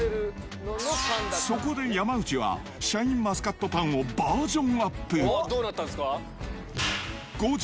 そこで山内は、シャインマスカットパンをバージョンアップ。